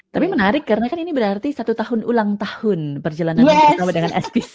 tapi menarik karena kan ini berarti satu tahun ulang tahun perjalanan bersama dengan spc